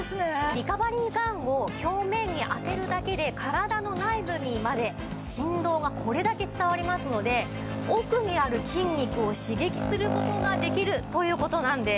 リカバリーガンを表面に当てるだけで体の内部にまで振動がこれだけ伝わりますので奥にある筋肉を刺激する事ができるという事なんです。